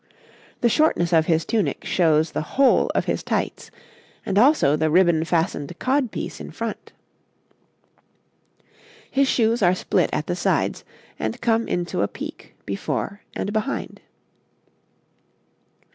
The shortness of his tunic shows the whole of his tights, and also the ribbon fastened cod piece in front. His shoes are split at the sides, and come into a peak before and behind.